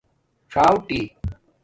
څھݸٹی